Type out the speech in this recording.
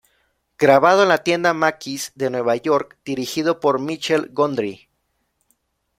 Grabado en la tienda Macy's de Nueva York, dirigido por Michel Gondry.